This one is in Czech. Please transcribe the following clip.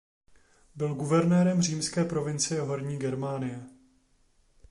Byl guvernérem římské provincie Horní Germánie.